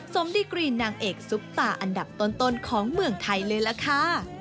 สมดีกรีนนางเอกซุปตาอันดับต้นของเมืองไทยเลยล่ะค่ะ